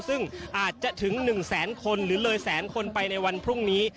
ซึ่งอาจจะถึง๑แสนคนหรือเลยแสนคนไปในวันพรุ่งนี้